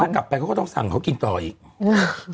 เขากลับไปก็ต้องสั่งเขากินต่ออีก